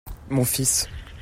Mon fils.